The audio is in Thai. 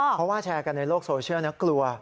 เพราะว่าแชร์กันในโลกโซเชียลนะกลัว